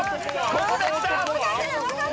ここできた！